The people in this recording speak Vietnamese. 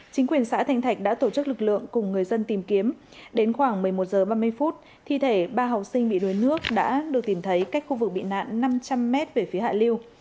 chính quyền xã thanh thạnh đã tổ chức lực lượng cùng người dân tìm kiếm đến khoảng một mươi một giờ ba mươi phút thi thể ba học sinh bị đuổi nước đã được tìm thấy cách khu vực bị nạn năm trăm linh mét về phía hạ liêu